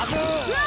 うわ！